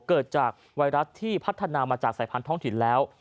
เกิดจากไวรัสที่พัฒนามาจากสายพันธ้องถิ่นแล้ว